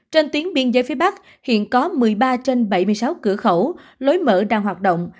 trên tuyến biên giới phía bắc hiện có một mươi ba trên bảy mươi sáu cửa khẩu lối mở đang hoạt động